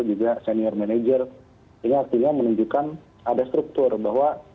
juga senior manager ini artinya menunjukkan ada struktur bahwa yang melakukan dugaannya